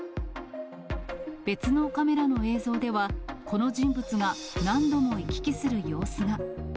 別のカメラの映像では、この人物が何度も行き来する様子が。